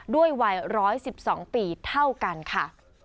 ด้วยวัย๑๑๒ปีเท่ากันค่ะ